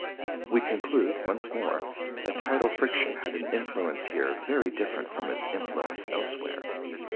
We conclude once more that tidal friction had an influence here very different from its influence elsewhere.